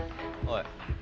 おい。